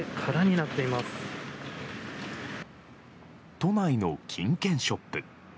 都内の金券ショップ。